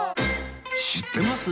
知ってます？